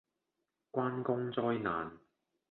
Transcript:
關公災難